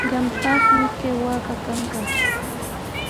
Qampaqmi kay waaka kanqa.